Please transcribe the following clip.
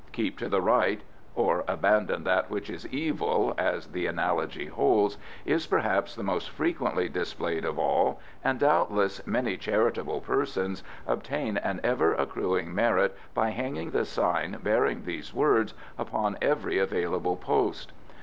"Keep to the Right" (or, "Abandon that which is evil," as the analogy holds,) is perhaps the most frequently displayed of all, and doubtless many charitable persons obtain an ever accruing merit by hanging the sign bearing these words upon every available post.